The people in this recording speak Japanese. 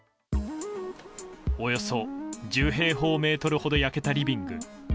およそ１０平方メートルほど焼けたリビング。